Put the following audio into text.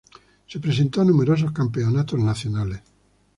Se presentó a numerosos campeonatos nacionales.